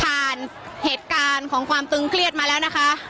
ผ่านเหตุการณ์ของความตึงเครียดมาแล้วนะคะ